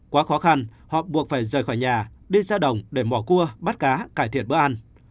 quá khó khăn họ buộc phải rời khỏi nhà đi ra đồng để bỏ cua bắt cá cải thiện bữa ăn